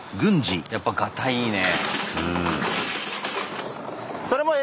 やっぱガタイいいね。